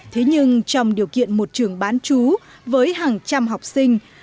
thế nhưng trong điều kiện một trường bán chú với hàng trăm học sinh